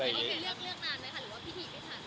เขาเคยเลือกนานไหมคะหรือว่าพี่ถีกจะถามอะไร